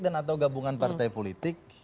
dan atau gabungan partai politik